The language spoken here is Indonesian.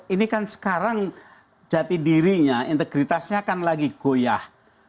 ini kan sekarang jati dirinya integritasnya kan lagi goyah